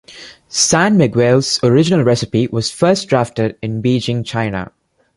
San Miguel's original recipe was first drafted in Beijing, China.